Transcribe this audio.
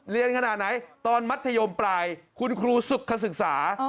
ขนาดไหนตอนมัธยมปลายคุณครูสุขศึกษา